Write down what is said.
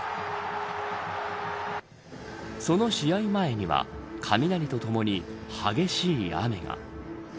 その試合前には、雷とともに激しい雨が。